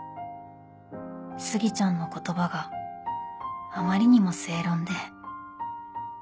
杉ちゃんの言葉があまりにも正論で